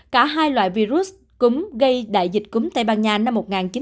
cả hai loại virus cúm gây đại dịch cúm tây ban nha năm một nghìn chín trăm một mươi tám